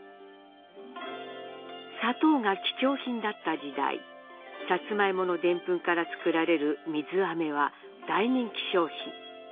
砂糖が貴重品だった時代サツマイモのでんぷんから作られる水あめは大人気商品。